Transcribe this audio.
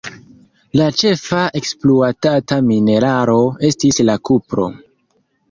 La ĉefa ekspluatata mineralo estis la kupro.